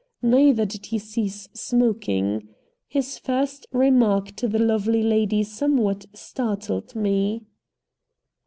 Neither did he cease smoking. His first remark to the lovely lady somewhat startled me.